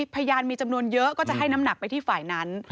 พยานมีจำนวนเยอะก็จะให้น้ำหนักไปที่ฝ่ายนั้น